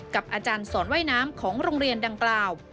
อาจารย์สอนว่ายน้ำของโรงเรียนดังกล่าว